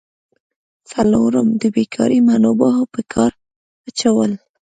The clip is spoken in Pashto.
څلورم: د بیکاره منابعو په کار اچول.